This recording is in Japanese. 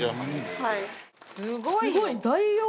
すごいよ。